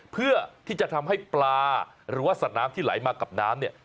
เพื่อที่จะทำให้ปลาหรือว่าสัตว์น้ำที่ไหลมากับน้ำเนี่ย